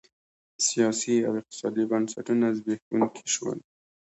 سیاسي او اقتصادي بنسټونه زبېښونکي شول